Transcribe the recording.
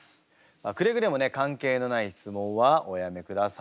くれぐれもね関係のない質問はおやめください。